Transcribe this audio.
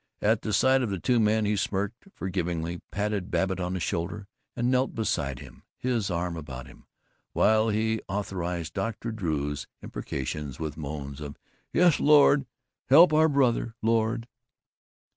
At the sight of the two men he smirked, forgivingly patted Babbitt on the shoulder, and knelt beside him, his arm about him, while he authorized Dr. Drew's imprecations with moans of "Yes, Lord! Help our brother, Lord!"